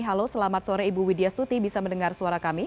halo selamat sore ibu widya stuti bisa mendengar suara kami